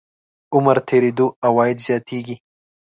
عمر تېرېدو عواید زیاتېږي.